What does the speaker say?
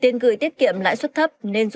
tiền gửi tiết kiệm lãi suất thấp nên rút giá